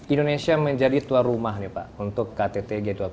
indonesia menjadi tuan rumah nih pak untuk ktt g dua puluh